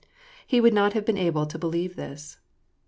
He would not have been able to believe this.